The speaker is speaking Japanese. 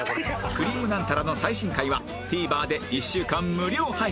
『くりぃむナンタラ』の最新回は ＴＶｅｒ で１週間無料配信